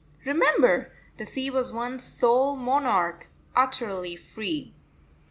Remember the sea was once sole monarch, utterly free.